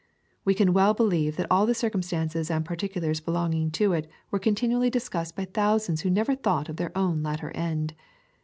We can well believe that all the circumstances and particulars belonging to it were continually discussed by thousands who never thought of their own latter end.